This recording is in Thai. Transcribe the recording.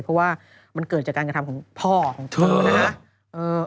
เพราะว่ามันเกิดจากการกระทำของพ่อของเธอนะครับ